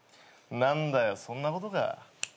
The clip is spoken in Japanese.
何だよそんなことか。